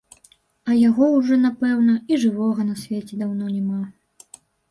А яго ўжо, напэўна, і жывога на свеце даўно няма.